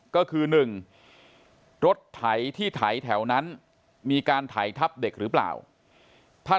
ก็คือ๑รถไถที่ไถแถวนั้นมีการไถทับเด็กหรือเปล่าถ้า